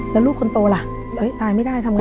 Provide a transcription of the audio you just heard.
แล้วลูกคนโตล่ะตายไม่ได้ทำไง